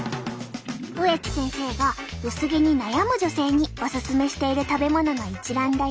植木先生が薄毛に悩む女性におすすめしている食べ物の一覧だよ。